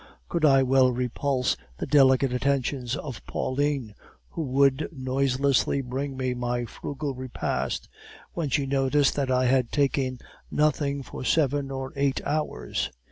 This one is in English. Could I well repulse the delicate attentions of Pauline, who would noiselessly bring me my frugal repast, when she noticed that I had taken nothing for seven or eight hours?